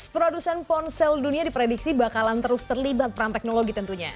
produsen ponsel dunia diprediksi bakalan terus terlibat peran teknologi tentunya